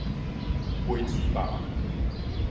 果子肉